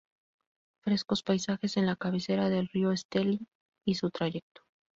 Frescos paisajes en la cabecera del río Estelí y su trayecto.